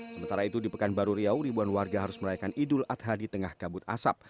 sementara itu di pekanbaru riau ribuan warga harus merayakan idul adha di tengah kabut asap